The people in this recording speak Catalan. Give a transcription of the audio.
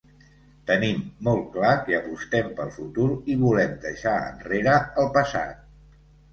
Tenim molt clar que apostem pel futur i volem deixar enrere el passat.